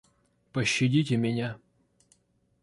Пощадите меня!